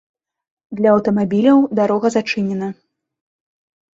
Для аўтамабіляў дарога зачынена.